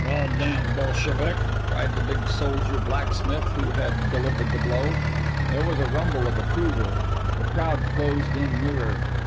"God damn Bolsheviki!" cried the big soldier blacksmith who had delivered the blow. There was a rumble of approval, the crowd closed in nearer.